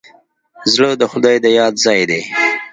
زړه د خدای د یاد ځای دی.